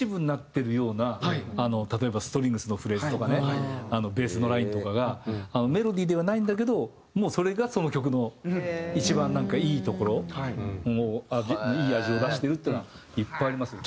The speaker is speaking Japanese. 例えばストリングスのフレーズとかねベースのラインとかがメロディーではないんだけどもうそれがその曲の一番なんかいいところいい味を出してるっていうのはいっぱいありますよ。